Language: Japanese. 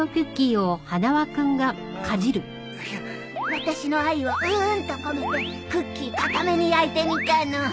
私の愛をうんと込めてクッキー硬めに焼いてみたの。